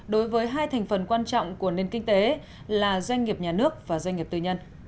đối với hai thành phần quan trọng của nền kinh tế là doanh nghiệp nhà nước và doanh nghiệp tư nhân